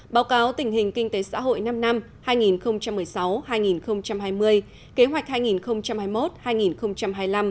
báo cáo tình hình kinh tế xã hội năm năm hai nghìn một mươi sáu hai nghìn hai mươi kế hoạch hai nghìn hai mươi một hai nghìn hai mươi năm